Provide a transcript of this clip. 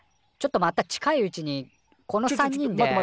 ちょっとまた近いうちにこの３人で。